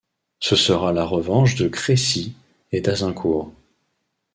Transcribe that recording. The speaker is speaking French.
Ce sera la revanche de Crécy et d’Azincourt!